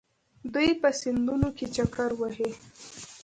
دوی په سیندونو کې چکر وهي.